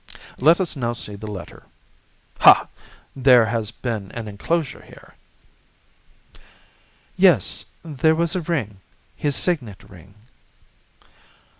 Let us now see the letter. Ha! there has been an enclosure here!" "Yes, there was a ring. His signet ring."